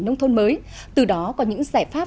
nông thôn mới từ đó có những giải pháp